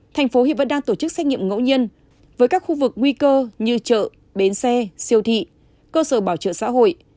tp hcm vẫn đang tổ chức xét nghiệm ngẫu nhiên với các khu vực nguy cơ như chợ bến xe siêu thị cơ sở bảo trợ xã hội